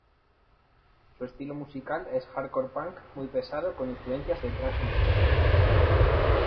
Su estilo musical es un hardcore punk muy pesado, con influencias del thrash metal.